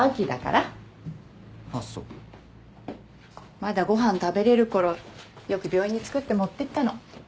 まだご飯食べれるころよく病院に作って持ってったの。